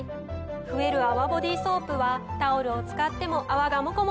増える泡ボディソープはタオルを使っても泡がモコモコ増え続けます。